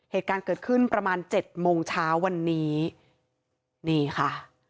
เหตุการณ์เกิดขึ้นประมาณเจ็ดโมงเช้าวันนี้นี่ค่ะ